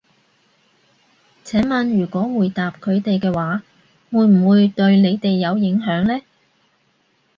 請問如果回答佢哋嘅話，會唔會對你哋有影響呢？